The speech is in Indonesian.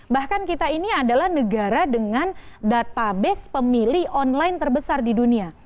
bahkan kita ini adalah negara dengan database pemilih online terbesar di dunia